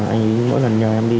anh ấy mỗi lần nhờ em đi